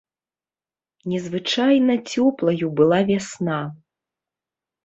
Незвычайна цёплаю была вясна.